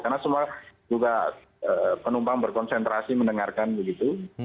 karena semua juga penumpang berkonsentrasi mendengarkan begitu